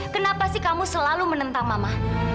kenapa sih kamu selalu menentang mama